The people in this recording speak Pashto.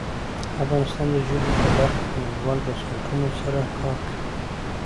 افغانستان د ژبو په برخه کې نړیوالو بنسټونو سره کار کوي.